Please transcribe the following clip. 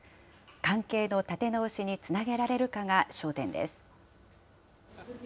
関係の立て直しにつなげられるかが焦点です。